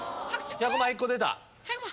１００万１個出た！